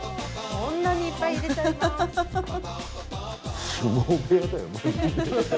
こんなにいっぱい入れちゃいます。